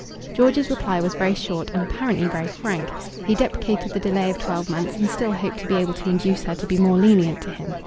George's reply was very short and apparently very frank. He deprecated the delay of twelve months, and still hoped to be able to induce her to be more lenient to him.